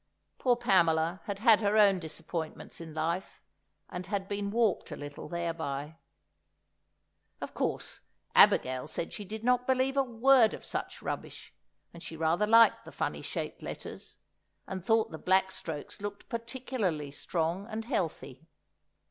Poor Pamela had had her own disappointments in life, and had been warped a little thereby. Of course Abigail said she did not believe a word of such rubbish, and she rather liked the funny shaped letters, and thought the black strokes looked particularly strong and healthy.